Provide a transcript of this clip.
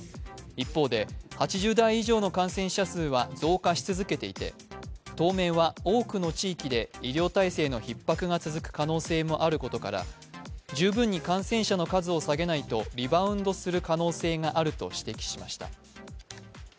一方で８０代以上の感染者数は増加し続けていて、当面は多くの地域で医療体制のひっ迫が続く可能性もあることから十分に感染者の数を下げないと、リバウンドする可能性があると指摘しました。